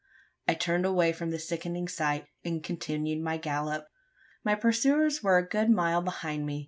I turned away from the sickening sight, and continued my gallop. My pursuers were a good mile behind me.